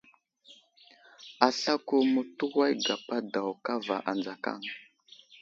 Aslako mətuway gapa daw kava adzakaŋ.